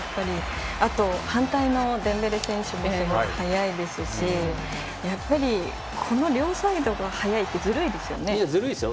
あと、反対のデンベレ選手もすごく速いですしやっぱりこの両サイドが速いってずるいですよね。